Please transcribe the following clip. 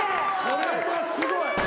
これはすごい。